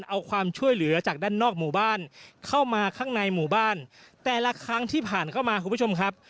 เอาความช่วยเหลือจากด้านนอกหมู่บ้านเข้ามาข้างในหมู่บ้านแต่ละครั้งที่ผ่านมาคุณผู้ชมครับ